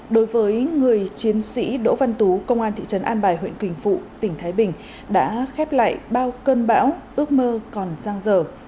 đối với người chiến sĩ đỗ văn tú công an thị trấn an bài huyện quỳnh phụ tỉnh thái bình đã khép lại bao cơn bão ước mơ còn giang dở